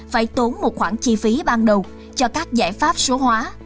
phải tốn một khoản chi phí ban đầu cho các giải pháp số hóa